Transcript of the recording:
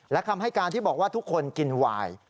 แล้วคำให้การที่บอกทุกคนกินไวน์